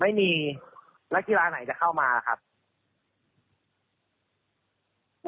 ไม่มีนักกีฬาไหนจะเข้ามาครับ